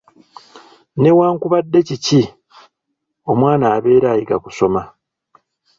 Newankubadde kiki, omwana abeera ayiga kusoma.